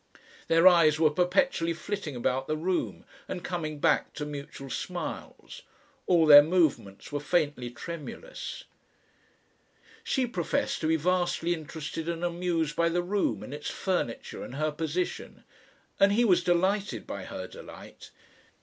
Their eyes were perpetually flitting about the room and coming back to mutual smiles. All their movements were faintly tremulous. She professed to be vastly interested and amused by the room and its furniture and her position, and he was delighted by her delight.